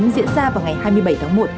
diễn ra vào ngày hai mươi bảy tháng một